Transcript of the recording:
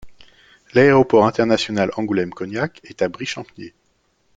L'aéroport international Angoulême-Cognac est à Brie-Champniers.